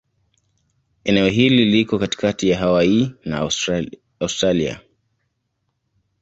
Eneo hili liko katikati ya Hawaii na Australia.